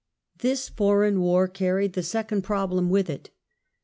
This foreign war carried the second problem with it.